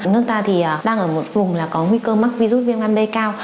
nước ta thì đang ở một vùng là có nguy cơ mắc virus viêm gan b cao